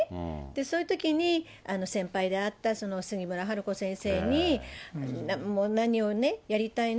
そういうときに先輩であったすぎむらはるこ先生に、何をね、やりたいの？